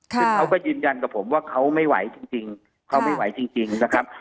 คือเขาก็ยืนยันกับผมว่าเขาไม่ไหวจริง